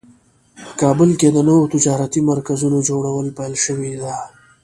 په کابل کې د نوو تجارتي مرکزونو جوړول پیل شوی ده